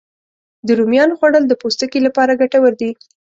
د رومیانو خوړل د پوستکي لپاره ګټور دي